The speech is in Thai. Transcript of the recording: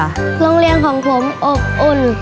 หลงเรียนของผมอุล